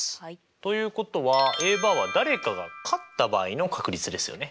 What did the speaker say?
ということはＡバーは誰かが勝った場合の確率ですよね。